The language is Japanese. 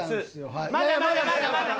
まだまだまだまだ！